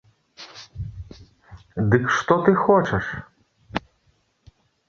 Дык што ты хочаш?